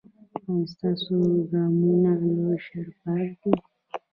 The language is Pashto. ایا ستاسو ګامونه له شر پاک دي؟